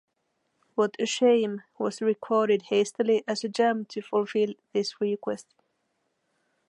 "What a Shame" was recorded hastily as a jam to fulfill this request.